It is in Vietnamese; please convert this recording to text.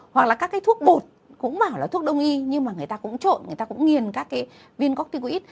hoặc là các cái thuốc bột cũng bảo là thuốc đông y nhưng mà người ta cũng trộn người ta cũng nghiền các cái viên corticoid